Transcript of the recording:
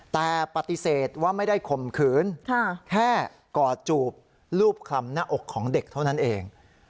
แต่ปฏิเสธว่าไม่ได้ข่มขืนแค่กอดจูบรูปคลำหน้าอกของเด็กเท่านั้นเอง